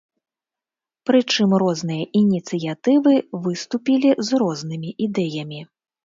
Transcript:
Прычым розныя ініцыятывы выступілі з рознымі ідэямі.